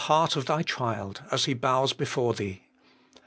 heart of Thy child, as he bows before Thee.